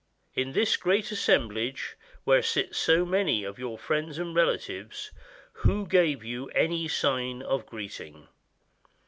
In this great assemblage, where sit so many of your friends and relatives, who gave you any sign of greeting?